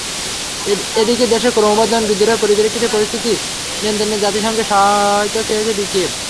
এদিকে দেশে ক্রমবর্ধমান বিদ্রোহের পরিপ্রেক্ষিতে পরিস্থিতি নিয়ন্ত্রণে জাতিসংঘের সহায়তা চেয়েছে কিয়েভ।